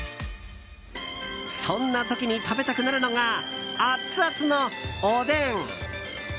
そんな時に食べたくなるのがアツアツのおでん。